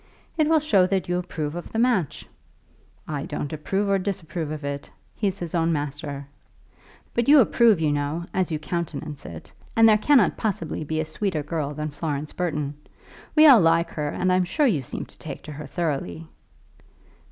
"It will show that you approve of the match." "I don't approve or disapprove of it. He's his own master." "But you do approve, you know, as you countenance it; and there cannot possibly be a sweeter girl than Florence Burton. We all like her, and I'm sure you seem to take to her thoroughly."